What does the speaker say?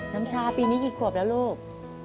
น้ำชาปีนี้กี่ขวบแล้วลูก